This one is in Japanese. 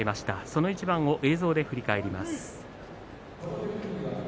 その一番を映像で振り返ります。